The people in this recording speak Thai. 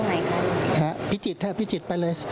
อาจจะถามมีที่จอดรถทัวร์พอเลย